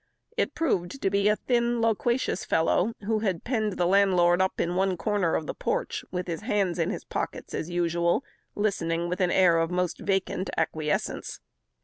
It proved to be a thin, loquacious fellow, who had penned the landlord up in one corner of the porch, with his hands in his pockets as usual, listening with an air of the most vacant acquiescence.